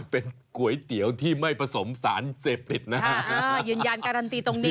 เป็นก๋วยเตี๋ยวที่ไม่ผสมสารเสพติดนะฮะยืนยันการันตีตรงนี้